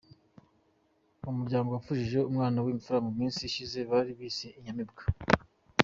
Uyu muryango wapfushije umwana w’imfura mu minsi ishize bari bise Inyamibwa.